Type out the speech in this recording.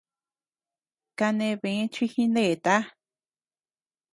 Kane bë chi jineta.